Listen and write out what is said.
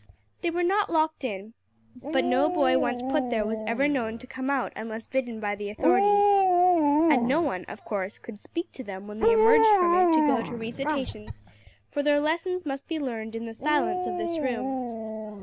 They were not locked in; but no boy once put there was ever known to come out unless bidden by the authorities. And no one, of course, could speak to them when they emerged from it to go to recitations, for their lessons must be learned in the silence of this room.